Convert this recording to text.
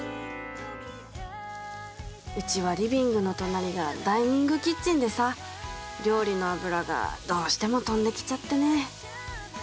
うちはリビングの隣がダイニングキッチンでさ料理の油がどうしても飛んできちゃってね。